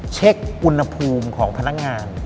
เช็คอุณหภูมิของพนักงาน